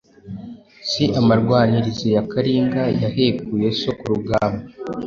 Si amarwanirize ya Kalinga yahekuye so ku rugamba